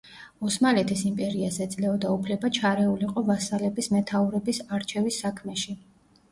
ოსმალეთის იმპერიას ეძლეოდა უფლება ჩარეულიყო ვასალების მეთაურების არჩევის საქმეში.